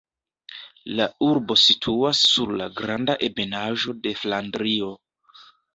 La urbo situas sur la granda ebenaĵo de Flandrio.